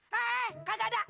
hei kakak nggak ada